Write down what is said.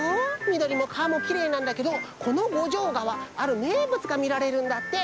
みどりも川もきれいなんだけどこの五条川あるめいぶつがみられるんだって。